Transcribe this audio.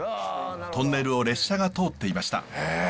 トンネルを列車が通っていました。